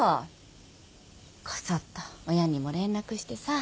こそっと親にも連絡してさ。